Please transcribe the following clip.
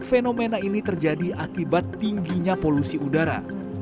fenomena ini terjadi akibat tingginya polusi udara